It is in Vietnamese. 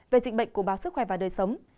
về dịch bệnh của báo sức khỏe và đời sống